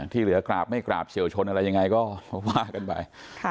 ที่เหลือกราบไม่กราบเฉียวชนอะไรยังไงก็ว่ากันไป